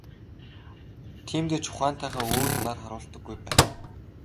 Тиймдээ ч ухаантайгаа өөд нар харуулдаггүй байх.